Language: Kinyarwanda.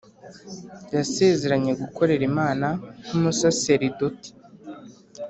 yasezeranye gukorera imana nk’umusaseridoti